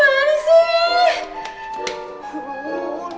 aduh tisu dimana sih